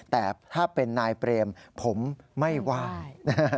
แต่ถ้าเป็นนายเปรมผมไม่ไหว้